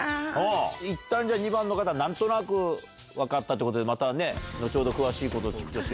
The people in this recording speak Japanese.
いったん２番の方何となく分かったってことでまた後ほど詳しいことを聞くとして。